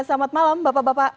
selamat malam bapak bapak